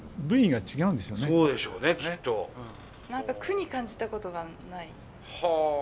何か苦に感じたことがない。